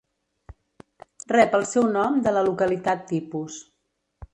Rep el seu nom de la localitat tipus.